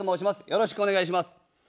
よろしくお願いします。